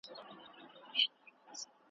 خپل نصیب وي غلامۍ لره روزلي .